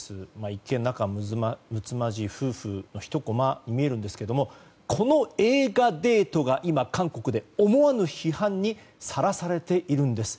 一見仲むつまじい夫婦のひとコマに見えるんですけどこの映画デートが今韓国で思わぬ批判にさらされているんです。